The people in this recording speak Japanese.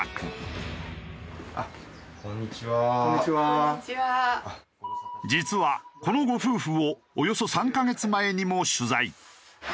実はこのご夫婦をおよそ３カ月前にも取材。